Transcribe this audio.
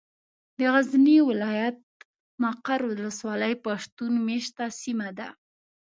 د غزني ولايت ، مقر ولسوالي پښتون مېشته سيمه ده.